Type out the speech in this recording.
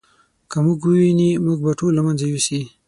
که موږ وویني موږ به ټول له منځه یوسي.